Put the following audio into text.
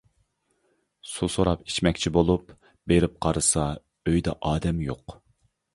سۇ سوراپ ئىچمەكچى بولۇپ، بېرىپ قارىسا، ئۆيدە ئادەم ياق.